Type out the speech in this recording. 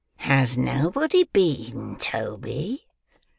"Has nobody been, Toby?"